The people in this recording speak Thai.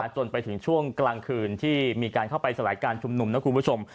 จนไปถึงช่วงกลางคืนที่มีการเข้าไปสลายการชุมนุมนะคุณผู้ชม